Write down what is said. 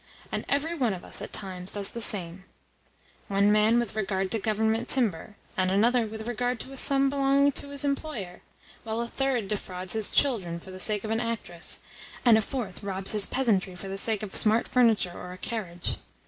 And every one of us at times does the same: one man with regard to Government timber, and another with regard to a sum belonging to his employer, while a third defrauds his children for the sake of an actress, and a fourth robs his peasantry for the sake of smart furniture or a carriage.